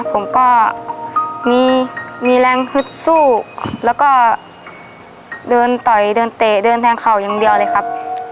ผมก็มีมีแรงฮึดสู้แล้วก็เดินต่อยเดินเตะเดินแทงเข่าอย่างเดียวเลยครับ